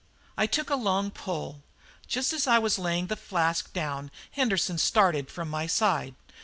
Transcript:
I took a long pull. Just as I was laying the flask down Henderson started from my side.